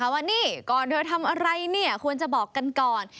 ว่านี่ก่อนเธอทำอะไรเนี่ยควรจะบอกกันก่อน